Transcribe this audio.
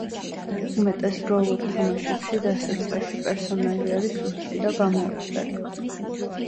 უმეტეს როლურ თამაშებში, დასაწყისში პერსონაჟი არის სუსტი და გამოუცდელი.